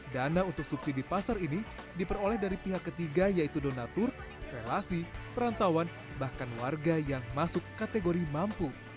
dana untuk subsidi pasar ini diperoleh dari pihak ketiga yaitu donatur relasi perantauan dan pembangunan